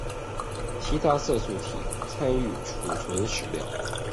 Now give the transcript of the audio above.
其他色素体参与储存食料。